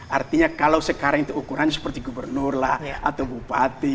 artinya kalau sekarang itu ukurannya seperti gubernur lah atau bupati